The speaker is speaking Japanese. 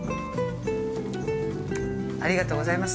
ありがとうございます。